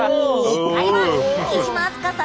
司会は貴島明日香さん